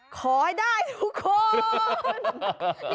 ขอให้ได้ทุกคน